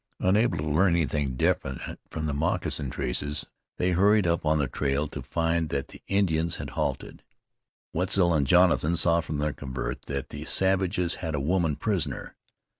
Unable to learn anything definite from the moccasin traces, they hurried up on the trail to find that the Indians had halted. Wetzel and Jonathan saw from their covert that the savages had a woman prisoner.